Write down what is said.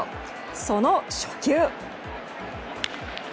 その初球。